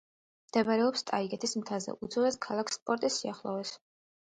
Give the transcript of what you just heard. მდებარეობს ტაიგეტის მთაზე, უძველეს ქალაქ სპარტის სიახლოვეს.